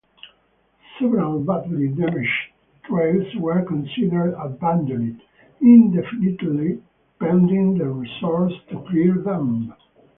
Several badly damaged trails were considered "abandoned" indefinitely, pending the resources to clear them.